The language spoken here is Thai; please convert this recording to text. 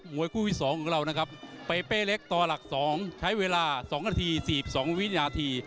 วยคู่ที่๒ของเรานะครับเปเป้เล็กต่อหลัก๒ใช้เวลา๒นาที๔๒วินาที